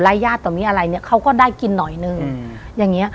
ไล่ญาติตรงนี้อะไรเนี่ยเขาก็ได้กินหน่อยหนึ่งอืมอย่างเงี้ย